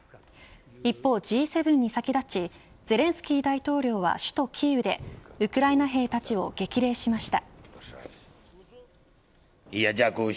一方Ｇ７に先立ちゼレンスキー大統領は首都キーウでウクライナ兵たちを激励しました。